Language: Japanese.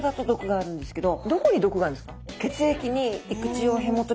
どこに毒があるんですか？